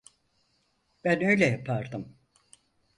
Ben öyle yapardım.